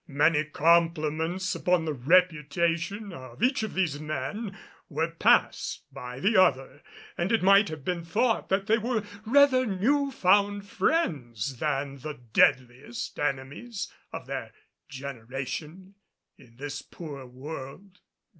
Many compliments upon the reputation of each of these men were passed by the other, and it might have been thought that they were rather new found friends than the deadliest enemies of their generation in this poor world.